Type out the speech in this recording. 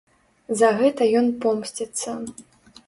За гэта ён помсціцца.